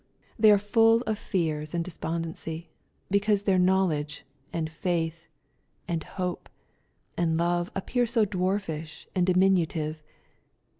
They are full of fears and despondency, because their knowledge, and faith, and hope, and love, appear so dwarfish and diminutive.